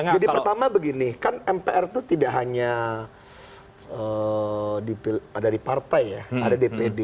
jadi pertama begini kan mpr itu tidak hanya ada di partai ya ada dpd